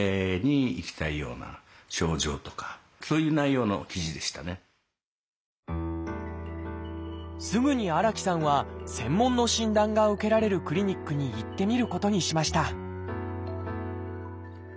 私が悩んでるすぐに荒木さんは専門の診断が受けられるクリニックに行ってみることにしました